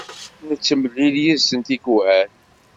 Nettemlil yid-sen tikwal.